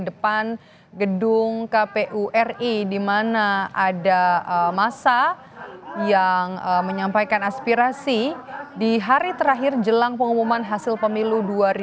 di depan gedung kpu ri di mana ada masa yang menyampaikan aspirasi di hari terakhir jelang pengumuman hasil pemilu dua ribu sembilan belas